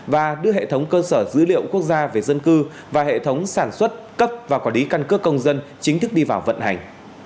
và đưa hệ thống cơ sở dữ liệu quốc gia về dân cư và hệ thống sản xuất cấp và quản lý căn cước công dân chính thức đi vào vận hành